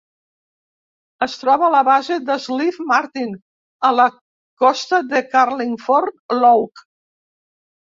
Es troba a la base de Slieve Martin, a la costa de Carlingford Lough.